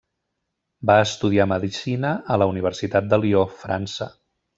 Va estudiar medicina a la Universitat de Lió, França.